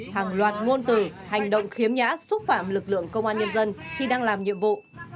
hàng loạt ngôn từ hành động khiếm nhã xúc phạm lực lượng công an nhân dân khi đang làm nhiệm vụ